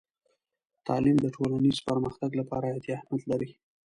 تعلیم د ټولنیز پرمختګ لپاره حیاتي اهمیت لري.